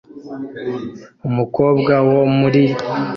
umukobwa wo muri